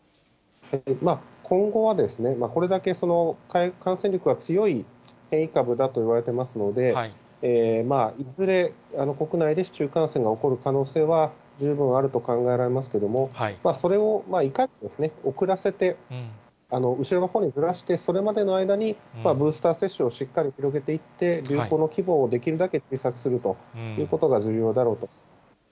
今後はこれだけ感染力が強い変異株だといわれていますので、いずれも国内で市中感染が起こる可能性は十分あると考えられますけれども、それをいかに遅らせて、後ろの方にずらして、それまでの間にブースター接種をしっかり続けていって、流行の規模をできるだけ小さくするということが重要だろうと。